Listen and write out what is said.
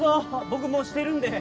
僕もうしてるんで。